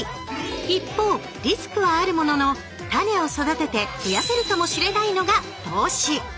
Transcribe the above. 一方リスクはあるものの種を育てて増やせるかもしれないのが「投資」。